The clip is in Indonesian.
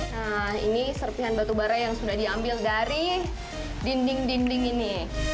nah ini serpihan batubara yang sudah diambil dari dinding dinding ini